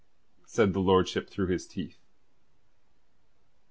said his lordship through his teeth.